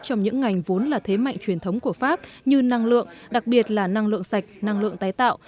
trong những ngành vốn là thế mạnh truyền thống của pháp như năng lượng đặc biệt là năng lượng sạch năng lượng tái tạo